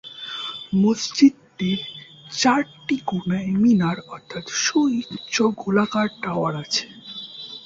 মসজিদটির চারটি কোনায় মিনার অর্থাৎ সুউচ্চ গোলাকার টাওয়ার আছে।